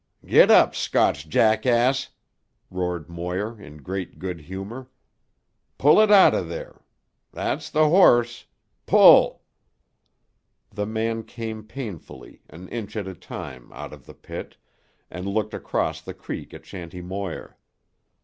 "Giddap, Scotch jackass!" roared Moir in great good humour. "Pull it out o' there. That's tuh horse. Pull!" The man came painfully, an inch at a time, out of the pit, and looked across the creek at Shanty Moir.